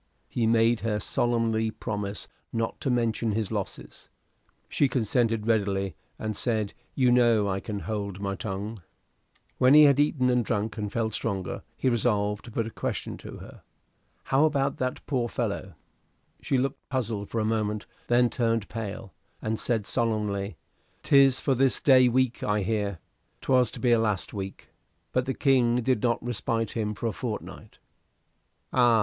He made her solemnly promise not to mention his losses. She consented readily, and said, "You know I can hold my tongue." When he had eaten and drunk, and felt stronger, he resolved to put a question to her. "How about that poor fellow?" She looked puzzled a moment, then turned pale, and said solemnly, "'Tis for this day week, I hear. 'Twas to be last week, but the King did respite him for a fortnight." "Ah!